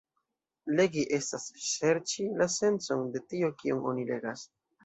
Legi estas serĉi la sencon de tio kion oni legas.